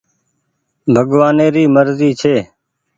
ڀگوآني ري مرزي ڇي